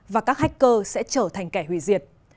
và các hacker sẽ trở thành kẻ hủy diệt